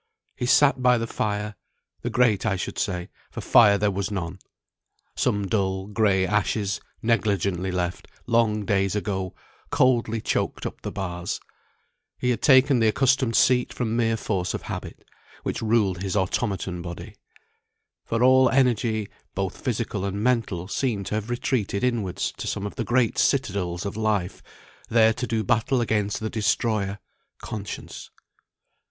He sat by the fire; the grate I should say, for fire there was none. Some dull, gray ashes, negligently left, long days ago, coldly choked up the bars. He had taken the accustomed seat from mere force of habit, which ruled his automaton body. For all energy, both physical and mental, seemed to have retreated inwards to some of the great citadels of life, there to do battle against the Destroyer, Conscience.